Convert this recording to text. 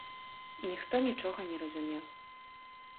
Ніхто нічога не разумеў.